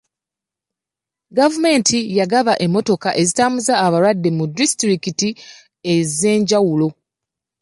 Gavumenti yagaba emmotoka ezitambuza abalwadde mu disitulikiti ez'enjawulo.